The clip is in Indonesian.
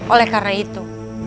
oleh karena itu